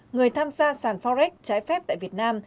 người tham gia sàn forex trái phép tại việt nam